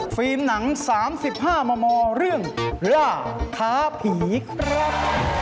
หนัง๓๕มมเรื่องล่าท้าผีครับ